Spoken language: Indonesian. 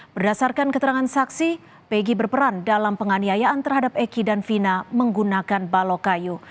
berdasarkan keterangan saksi pegg berperan dalam penganiayaan terhadap eki dan vina menggunakan balok kayu